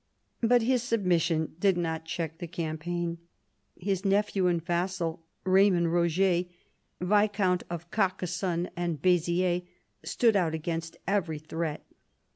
But his submission did not check the cam paign. His nephew and vassal, Raymond Roger, viscount of Carcassonne and Beziers, stood out against every threat.